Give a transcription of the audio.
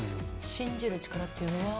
信じる力っていうのは。